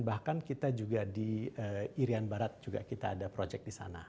bahkan kita juga di irian barat juga kita ada proyek di sana